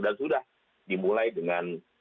dan sudah dimulai dengan